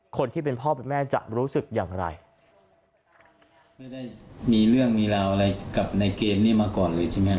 คนที่เป็นพ่อเป็นแม่จะรู้สึกอย่างไรไม่ได้มีเรื่องมีราวอะไรกับในเกมนี้มาก่อนเลยใช่ไหม